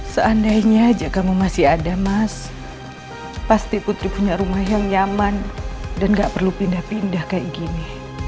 seandainya jika kamu masih ada mas pasti putri punya rumah yang nyaman dan gak perlu pindah pindah kayak gini